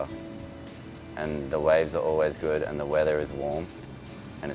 dan bintang selalu bagus dan cuaca juga hangat